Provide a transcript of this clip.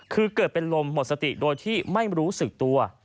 คือเกิดเป็นลมหมดสติโดยที่ไม่รู้สึกตัว